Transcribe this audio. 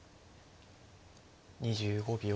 ２５秒。